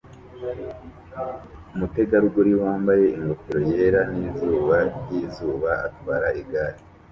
Umutegarugori wambaye ingofero yera nizuba ryizuba atwara igare